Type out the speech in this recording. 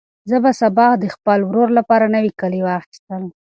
زه به سبا د خپل ورور لپاره نوي کالي واخیستل.